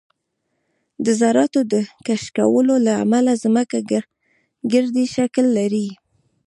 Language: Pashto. د ذراتو د کشکولو له امله ځمکه ګردی شکل لري